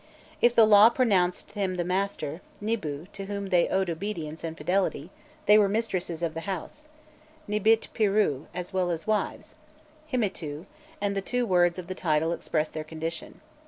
If the law pronounced him the master, nibû, to whom they owed obedience and fidelity, they were mistresses of the house, nîbît pirû, as well as wives, himitû, and the two words of the title express their condition.